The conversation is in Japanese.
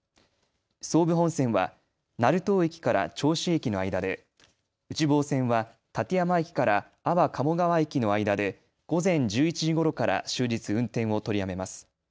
総武本線は成東駅から銚子駅の間で、内房線は館山駅から安房鴨川駅の間で午前１１時ごろから終日運転を取りやめます。